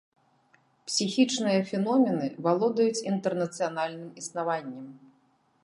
Псіхічныя феномены валодаюць інтэрнацыянальным існаваннем.